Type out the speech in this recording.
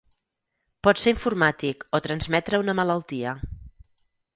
Pot ser informàtic o transmetre una malaltia.